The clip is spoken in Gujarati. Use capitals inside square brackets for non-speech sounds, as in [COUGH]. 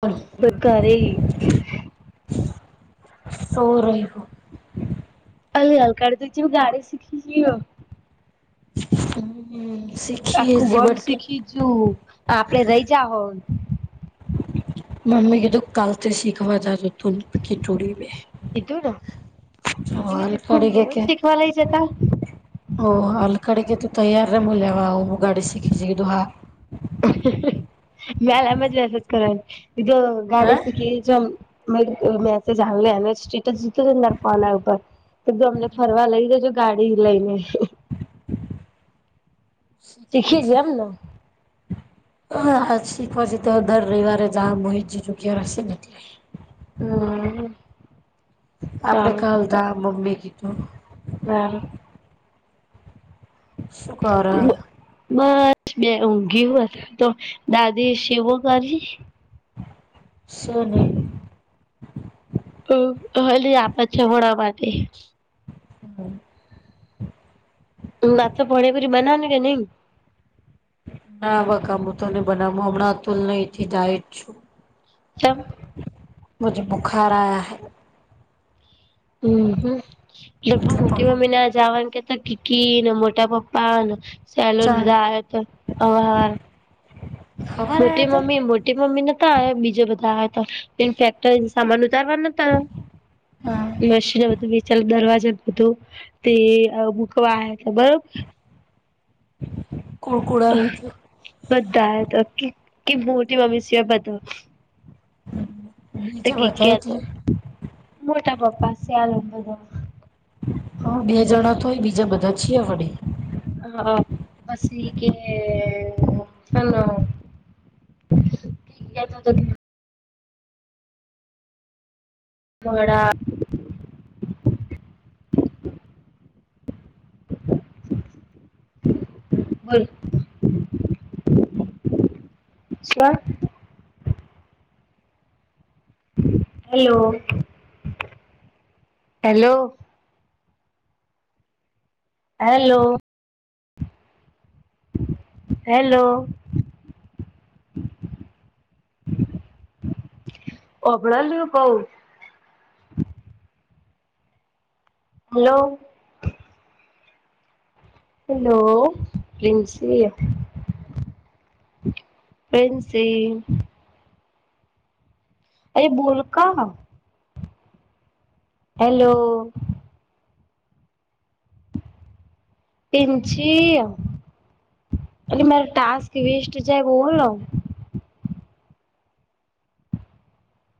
પણરો સરકારારે સો ર હો અલ ગાલ કરીાઢ દ છેું ગા સીખી છ હ સીખીએ જીવન કે જુ આપડે રહી જા હો મમ્મી ક તોું કાલથી શીખવાદાર તલપ કે જોોડીવે એથી કુમું હોય જ શીખવા લઈ જતા ઓહ અલ કડગ તું તૈયાર ર મળલ્યાવા હું ગાડી શીખી સીધું હા મેમ જ મેસેજ કરવાની બીજું ગાડી હે શીખી મેસેજ આવે એ અને જીતો છે અંદર ફોન ઉપર તો તું અમને ફરવા લઈ દેજો ગાડી લઈને શીખ છે શીખી જ એમને હ હછી પછી તો દર રવિવારે જ મોહિતજી ચુક્યા રહેશે ને એટલે હમ આપડે સારું કલતા મમ્મી કીધું બ શકારા બસ મે ઊંઘય હતા તો દાદી સેવો કરી શને હલી આપત છે ભડા માટે હા હ વા ફો્યાપરી બનાવું કે નહી ના આવા કામું તો નને બનાવું હમણાં અતુલ નહીથી ડાયટ છું તમ મુજ બુખાર આયા હૈ હમ લગભગ એટલે મોટી પકોડી મમ્મી નાને જવાની કે કીકી ને મોટા પપ્પાને સેલન જાણે બધા આવ તો અ ખબર મોટી આયા તો મમ્મી મોટી મમ્મી નતા બીજે બધા આવે તો ઇફેક્ટ સામાન ઉતારવા નતા હા મશીન બધું વિચાર દરવાજા તોું તે મુૂકવા તો બરોબર કુળકુડા હણું બધા તો કે મોટી મમ્ી સિવાય બધા હમ તો ગી ગ્યા તો મોટા પપ્પા સ્યાલ બધા હા બે જણા તોય બીજા બધા છીએ વડે હાા બસ એ કે સ ત ત વડા. એ છે [UNINTELLIGIBLE] બ શ હલો હેલો હેલો હેલો ઓભણ લ કઉ હલો. હેલો પ્રિન્સી. પ્રિન્સી. અરે બોલ કા. હેલો. પ્રિન્સી એટલે મારો ટાસ્ક વેસ્ટ જાય બોલો.